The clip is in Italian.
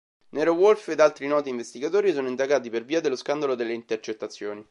Nero Wolfe ed altri noti investigatori sono indagati per via dello scandalo delle intercettazioni.